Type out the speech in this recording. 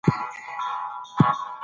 ملالۍ به د شپې پته ښووله.